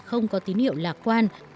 không có tín hiệu lạc quan